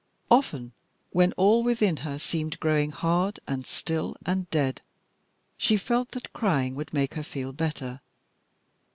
Often, when all within her seemed growing hard and still and dead, she felt that crying would make her feel better.